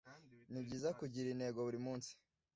nibyiza kugira intego buri munsi